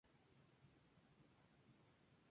Di en tanto, ¿qué quieres?